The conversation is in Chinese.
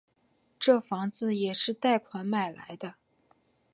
这房子也是贷款买来的